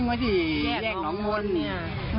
คือตอนแรก